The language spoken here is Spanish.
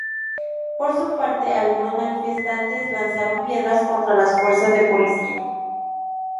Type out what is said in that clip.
Por su parte, algunos manifestantes lanzaron piedras contra las fuerzas de policía.